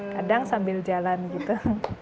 kadang sambil jalan gitu